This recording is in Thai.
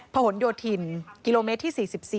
หนโยธินกิโลเมตรที่๔๔